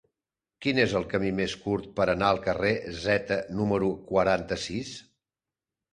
Quin és el camí més curt per anar al carrer Zeta número quaranta-sis?